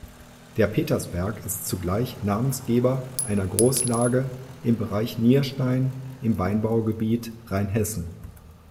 Der Petersberg ist zugleich Namensgeber einer Großlage im Bereich Nierstein im Weinanbaugebiet Rheinhessen.